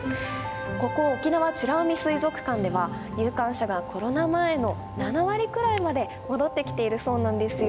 ここ沖縄美ら海水族館では入館者がコロナ前の７割くらいまで戻ってきているそうなんですよ。